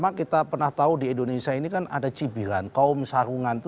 karena kita pernah tahu di indonesia ini kan ada cibilan kaum sarungan itu